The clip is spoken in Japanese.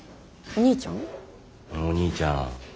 お兄ちゃん。